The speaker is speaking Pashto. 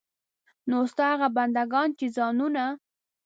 نو ستا هغه بندګان چې ځانونه.